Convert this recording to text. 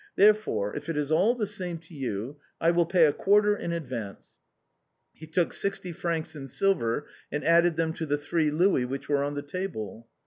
There fore, if it is all the same to you, I will pay a quarter in ad vance." He took sixty francs in silver and added them to the three louis which were on the table.